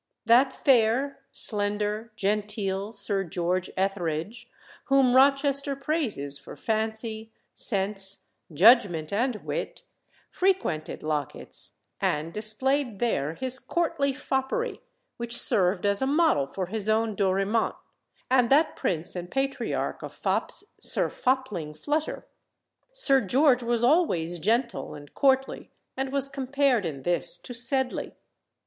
That fair, slender, genteel Sir George Etherege, whom Rochester praises for "fancy, sense, judgment, and wit," frequented Locket's, and displayed there his courtly foppery, which served as a model for his own Dorimant, and that prince and patriarch of fops Sir Fopling Flutter. Sir George was always gentle and courtly, and was compared in this to Sedley.